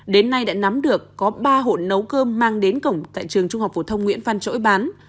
đến nay đã nắm được có ba hộ nấu cơm mang đến cổng tại trường trung học phổ thông nguyễn phan trỗi bán